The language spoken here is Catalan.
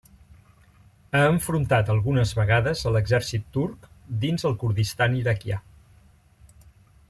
Ha enfrontat algunes vegades a l'exèrcit turc dins el Kurdistan iraquià.